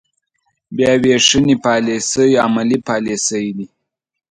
بیا وېشنې پاليسۍ عملي پاليسۍ دي.